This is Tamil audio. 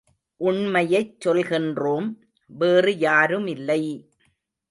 உண்மையைச் சொல்கின்றோம் வேறு யாருமில்லை!